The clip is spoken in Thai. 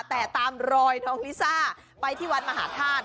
แต่ตามรอยน้องลิซ่าไปที่วัดมหาธาตุ